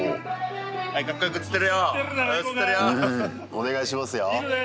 お願いしますよ。